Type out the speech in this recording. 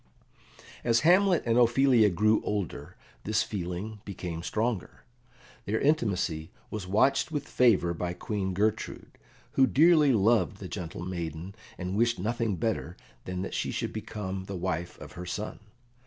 As Hamlet and Ophelia grew older this feeling became stronger. Their intimacy was watched with favour by Queen Gertrude, who dearly loved the gentle maiden, and wished nothing better than that she should become the wife of her son.